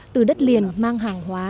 từ đất liền mang hàng hóa